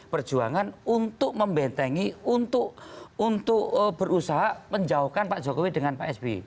perjuangan untuk membentengi untuk berusaha menjauhkan pak jokowi dengan pak sby